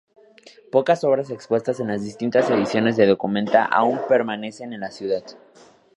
Pocas obras expuestas en las distintas ediciones de documenta aún permanecen en la ciudad.